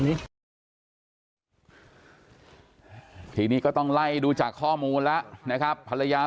พอวัวไปกินหญ้าอะไรเสร็จเรียบร้อยเสร็จเรียบร้อยเสร็จเรียบร้อย